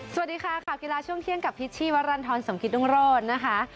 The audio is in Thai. สวัสดีค่ะข่าวกีฬาช่วงเที่ยงกับพิษชีวรรณฑรสมกิตรุงโรธนะคะ